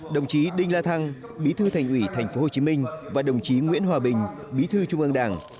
đồng chí đinh la thăng bí thư thành ủy tp hcm và đồng chí nguyễn hòa bình bí thư trung ương đảng